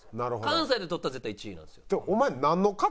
関西で取ったら絶対１位なんですよ。